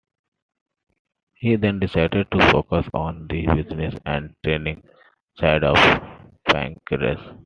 He then decided to focus on the business and training side of Pancrase.